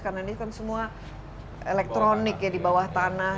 karena ini kan semua elektronik ya di bawah tanah